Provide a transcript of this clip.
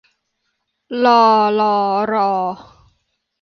ลอ ฬอ รอ